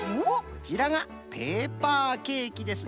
こちらがペーパーケーキです。